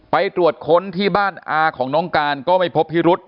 ไปตรวจค้นที่บ้านอาของน้องการก็ไม่พบพิรุษ